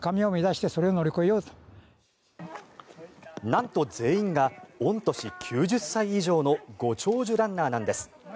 なんと全員が御年９０歳以上のご長寿ランナーなんです。